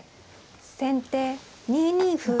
先手２二歩。